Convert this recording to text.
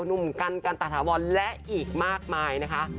หนุ่มกันกันตะถาวรและอีกมากมายนะคะ